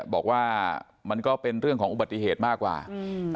บอกว่ามันก็เป็นเรื่องของอุบัติเหตุมากกว่าอืม